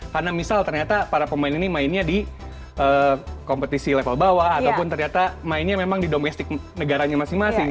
karena misalnya ternyata para pemain ini mainnya di kompetisi level bawah atau ternyata mainnya memang di domestik negaranya masing masing